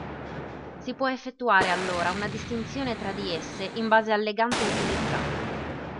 Si può effettuare allora un distinzione tra di esse in base al legante utilizzato.